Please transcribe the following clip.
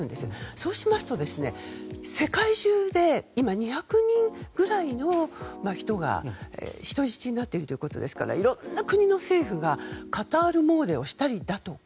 そうしますと世界中で今２００人ぐらいの人が人質になっているということですからいろんな国の政府がカタール詣でしたりですとか